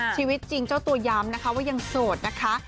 ชีวิตจริงเจ้าตัวย้ำนะคะว่ายังโสดนะคะ